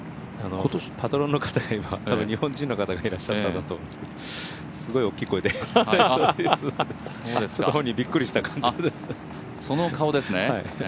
パトロンの方が、日本人の方がいらっしゃったんだと思いますけどすごい大きい声で本人びっくりした感じでしたね。